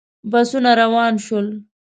بسونه روان شول.